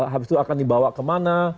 habis itu akan dibawa kemana